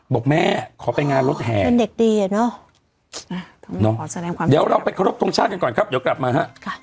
บอกแม่ขอไปงานรถแห่เป็นเด็กดีอ่ะเนอะขอแสดงความดีเดี๋ยวเราไปขอรบทรงชาติกันก่อนครับเดี๋ยวกลับมาฮะ